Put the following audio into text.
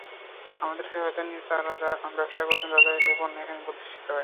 আমাদের সহায়তা নিয়ে যাঁরা ব্যবসা করছেন, তাঁদের পণ্য এখানে প্রদর্শিত হয়।